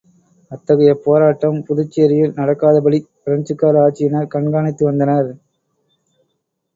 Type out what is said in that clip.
அத்தகைய போராட்டம் புதுச்சேரியில் நடக்காதபடிப் பிரெஞ்சுக்கார ஆட்சியினர் கண்காணித்து வந்தனர்.